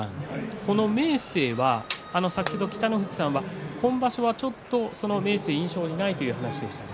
この明生は先ほど北の富士さんは今場所は明生があまり印象にないというお話がありました。